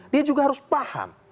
dia juga harus paham